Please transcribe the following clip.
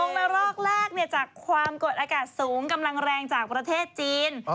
ละรอกแรกจากความกดอากาศสูงกำลังแรงจากประเทศจีน